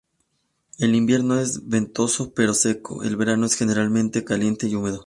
El invierno es ventoso pero seco, el verano es generalmente caliente y húmedo.